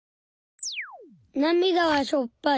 なみだはしょっぱい。